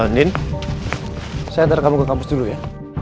nin saya antara kamu ke kampus dulu ya